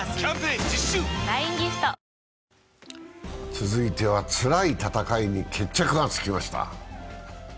続いてはつらい戦いに決着がつきました。